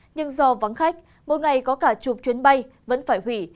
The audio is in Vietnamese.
nhưng do vắng khách mỗi ngày có cả chục chuyến bay vẫn phải hủy